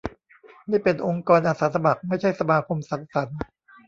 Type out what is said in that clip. นี่เป็นองค์กรอาสาสมัคร ไม่ใช่สมาคมสังสรรค์